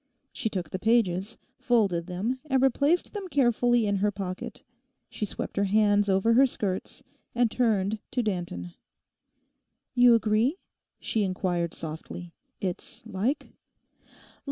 She took the pages, folded them and replaced them carefully in her pocket. She swept her hands over her skirts, and turned to Danton. 'You agree,' she inquired softly, 'it's like?